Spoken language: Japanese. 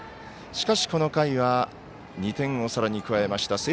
しかし、この回は２点をさらに加えました。